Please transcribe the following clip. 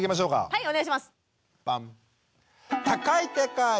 はいお願いします。